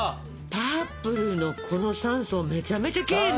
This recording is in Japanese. パープルのこの３層めちゃめちゃきれいね。